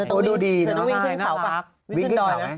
โอ้โหดูดีเนอะใช่นะครับวิ่งขึ้นดอยนะ